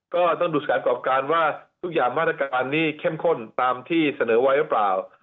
ก็ต้องดูสถานกรอบการว่าทุกอย่างมาตรการอันนี้เข้มข้นตามที่เสนอไว้หรือเปล่า